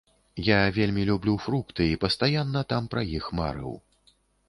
Я вельмі люблю фрукты і пастаянна там пра іх марыў.